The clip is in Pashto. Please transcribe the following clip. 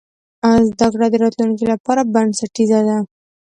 زده کړه د راتلونکي لپاره بنسټیزه ده.